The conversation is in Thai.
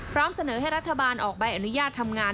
พร้อมเสนอให้รัฐบาลออกใบอนุญาตทำงาน